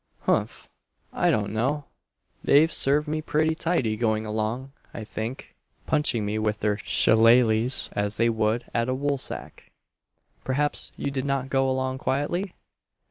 "Humph, I don't know! they've served me pretty tidy going along, I think, punching at me with their shilaleghs as they would at a woolsack!" "Perhaps you did not go along quietly?"